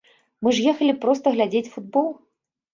Мы ж ехалі проста глядзець футбол.